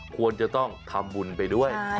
ควรจะต้องทำบุญไปด้วย